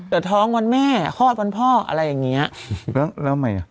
แต่ท้องวันแม่คลอดวันพ่ออะไรอย่างเงี้ยแล้วแล้วใหม่อ่ะ